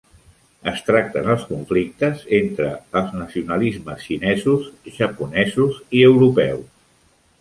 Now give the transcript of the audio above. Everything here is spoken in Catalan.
Es tracten els conflictes entre els nacionalismes xinesos, japonesos i europeus.